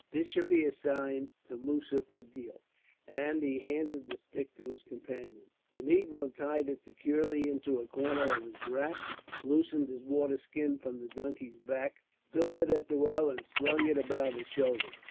"This shall be a sign to Moussa Fedil;" and he handed the stick to his companion. The negro tied it securely into a corner of his wrap, loosed his water skin from the donkey's back, filled it at the well and slung it about his shoulders.